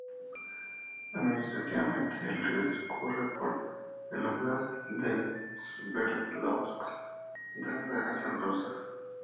Administrativamente, el río discurre por el óblast de Sverdlovsk de la Federación Rusa.